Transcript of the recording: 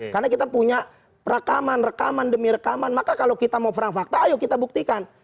karena kita punya rekaman rekaman demi rekaman maka kalau kita mau perang fakta ayo kita buktikan